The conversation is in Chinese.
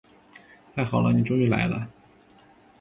太好了，你终于来了。